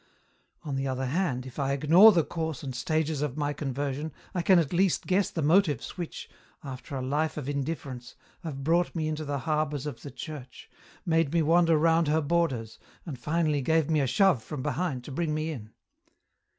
" On the other hand, if I ignore the course and stages of my conversion, I can at least guess the motives which, after a life of indifference, have brought me into the harbours of the Church, made me wander round about her borders, and finally gave me a shove from behind to bring me in."